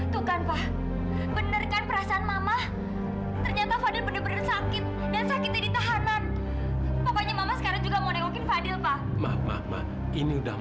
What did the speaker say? dua orang dorang paling takut